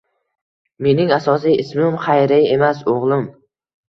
— Mening asosiy ismim Xayriya emas, o'g'lim.